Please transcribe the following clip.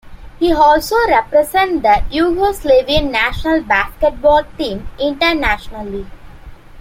He also represented the Yugoslavian national basketball team internationally.